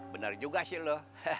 bener juga sih lo